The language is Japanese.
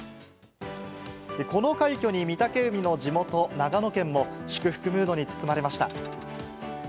この快挙に、御嶽海の地元、長野県も祝福ムードに包まれました。